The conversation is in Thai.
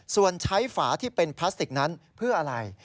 ส่วนใช้ฝาที่เป็นพลาสติกนั้นเพื่ออะไร